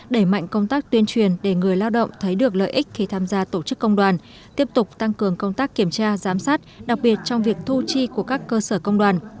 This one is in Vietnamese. đẩy mạnh công tác tuyên truyền để người lao động thấy được lợi ích khi tham gia tổ chức công đoàn tiếp tục tăng cường công tác kiểm tra giám sát đặc biệt trong việc thu chi của các cơ sở công đoàn